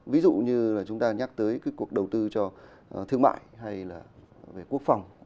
ví dụ như chúng ta nhắc tới cuộc đầu tư cho thương mại hay là về quốc phòng